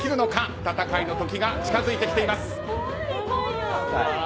戦いの時が近づいてきています。